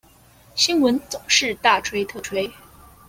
新聞總是大吹特吹